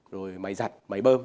rồi máy giặt máy bơm